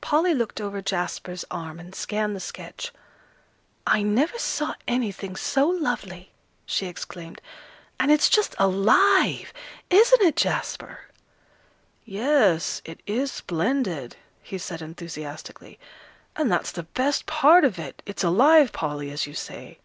Polly looked over Jasper's arm, and scanned the sketch. "I never saw anything so lovely!" she exclaimed. "And it's just alive! Isn't it, Jasper?" "Yes, it is splendid," he said enthusiastically; "and that's the best part of it it's alive, Polly, as you say."